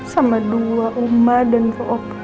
sama dua umat dan fo'op juga